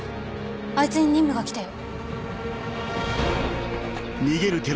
あいつに任務が来たよ。